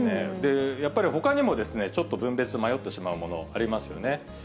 やっぱりほかにも、ちょっと分別迷ってしまうもの、ありますよね。